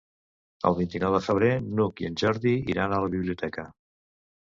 El vint-i-nou de febrer n'Hug i en Jordi iran a la biblioteca.